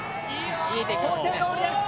想定どおりです。